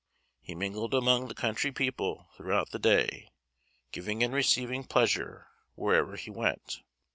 He mingled among the country people throughout the day, giving and receiving pleasure wherever he went.